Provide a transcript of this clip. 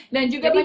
dan juga di